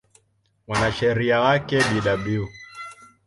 Mwanasheria wake Bw.